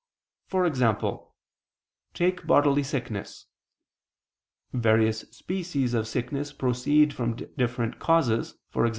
For example, take bodily sickness: various species of sickness proceed from different causes, e.g.